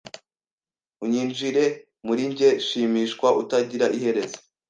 Unyinjire muri njye ... shimishwa utagira iherezo